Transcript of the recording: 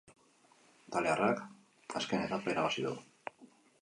Italiarrak azken etapa irabazi du.